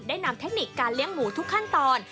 นำเทคนิคการเลี้ยงหมูทุกขั้นตอน